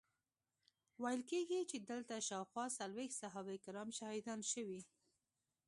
ویل کیږي چې دلته شاوخوا څلویښت صحابه کرام شهیدان شوي.